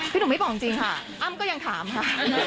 หนุ่มไม่บอกจริงค่ะอ้ำก็ยังถามค่ะ